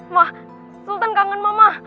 mah sultan kangen mama